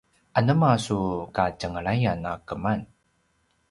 anema su katjengelayan a keman?